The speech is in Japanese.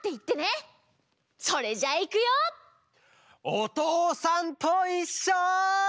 「おとうさんといっしょ」！